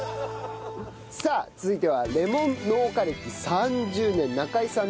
さあ続いてはレモン農家歴３０年中井さんの奥様です。